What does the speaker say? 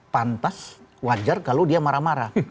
pantas wajar kalau dia marah marah